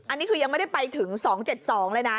อันนี้คือยังไม่ได้ไปถึง๒๗๒เลยนะ